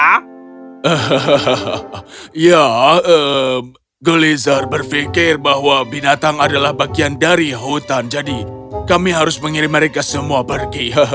hahaha ya gulizer berpikir bahwa binatang adalah bagian dari hutan jadi kami harus mengirim mereka semua pergi